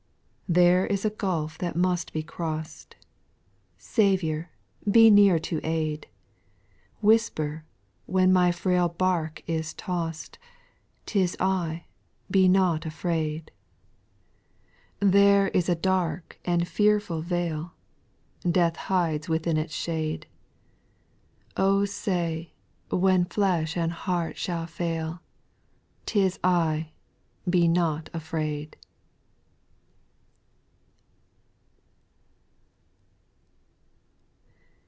8. ' There is a gulf that must be cross'd, — Saviour 1 be near to aid ; Whisper, when my frail bark is toss'd^ " 'Tia I, be not afraid;^ 58 SPIRITUAL SONGS, 4 There is a dark and fearful vale Death hides within its shade ; say, when flesh and heart shall fail, *'TisI, benotafraid."